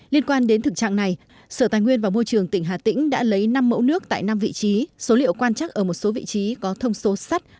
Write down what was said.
liên quan đến thực trạng này sở tài nguyên và công ty nông nghiệp đã tìm ra nguồn nước đập dân sinh sống tại khu vực này